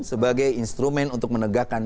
sebagai instrumen untuk menegakkan